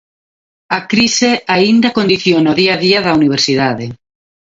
'A crise aínda condiciona o día a día da universidade'.